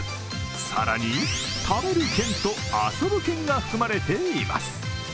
更に、食べる券と遊ぶ券が含まれています。